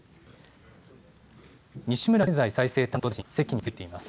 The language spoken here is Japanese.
西村経済再生担当大臣は、席に着いています。